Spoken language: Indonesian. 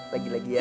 lagi lagi ya